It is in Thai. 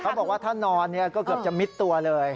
เขาบอกว่าถ้านอนก็เกือบจะมิดตัวเลย